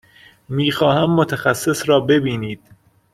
می خواهم متخصص را ببینید.